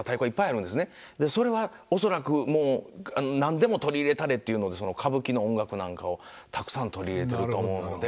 それは恐らくもう何でも取り入れたれというので歌舞伎の音楽なんかをたくさん取り入れてると思うので。